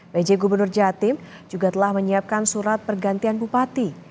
pj gubernur jatim juga telah menyiapkan surat pergantian bupati